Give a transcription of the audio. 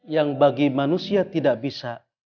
yang bagi manusia tidak bisa